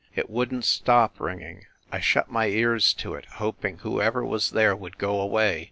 It wouldn t stop ringing. ... I shut my ears to it, hoping who ever was there would go away